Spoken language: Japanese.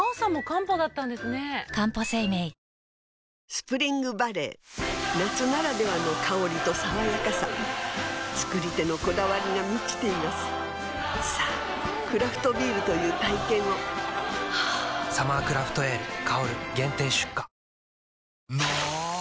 スプリングバレー夏ならではの香りと爽やかさ造り手のこだわりが満ちていますさぁクラフトビールという体験を「サマークラフトエール香」限定出荷の！